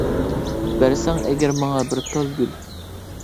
بەرسەڭ ئەگەر ماڭا بىر تال گۈل.